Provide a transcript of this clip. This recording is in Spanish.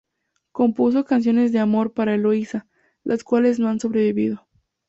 Compuso canciones de amor para Eloísa, las cuales no han sobrevivido.